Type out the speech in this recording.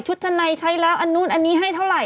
ชั้นในใช้แล้วอันนู้นอันนี้ให้เท่าไห